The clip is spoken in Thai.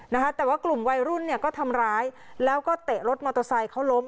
นะคะแต่ว่ากลุ่มวัยรุ่นเนี่ยก็ทำร้ายแล้วก็เตะรถมอเตอร์ไซค์เขาล้ม